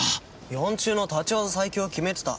四中の立ち技最強を決めてた。